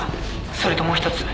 それともう一つ